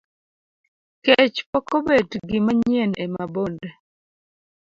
Kech pok obedo gimanyien e Mabonde.